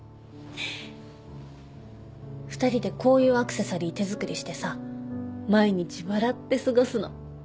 ２人でこういうアクセサリー手作りしてさ毎日笑って過ごすの